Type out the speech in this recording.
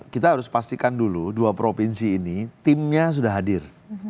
kita harus pastikan dulu dua provinsi ini timnya sudah hadir